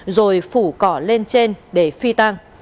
rồi phủ cỏ lên trên để phi tăng